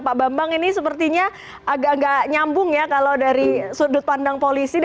pak bambang ini sepertinya agak agak nyambung ya kalau dari sudut pandang polisi